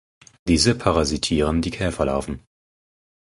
Diese parasitieren die Käferlarven.